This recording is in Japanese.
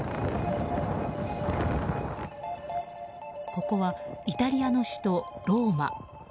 ここはイタリアの首都ローマ。